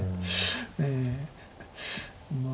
ええまあ。